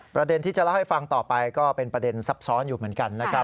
ประเด็นที่จะเล่าให้ฟังต่อไปก็เป็นประเด็นซับซ้อนอยู่เหมือนกันนะครับ